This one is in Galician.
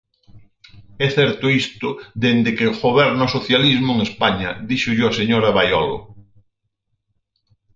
É certo isto dende que goberna o socialismo en España, díxollo a señora Baiolo.